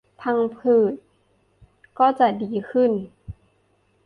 พังผืดก็จะดีขึ้น